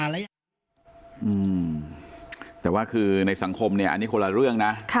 แต่ว่าคือในสังคมเนี่ยอันนี้คนละเรื่องนะ